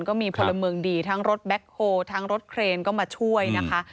ก็มีพลเมืองดีทั้งรถแบ็คโฮลทั้งรถเครนก็มาช่วยนะคะ